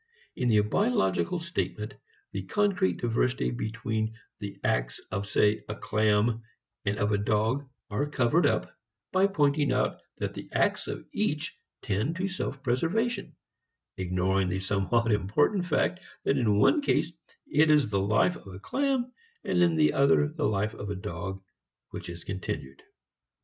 In the biological statement the concrete diversity between the acts of say a clam and of a dog are covered up by pointing out that the acts of each tend to self preservation, ignoring the somewhat important fact that in one case it is the life of a clam and in the other the life of a dog which is continued.